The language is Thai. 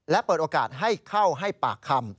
และเปิดโอกาสให้เข้าให้ปากคำ